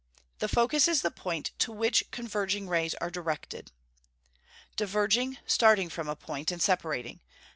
_ The focus is the point to which converging rays are directed. Diverging, starting from a point, and separating.